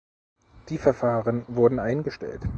Die Verfahren wurden eingestellt.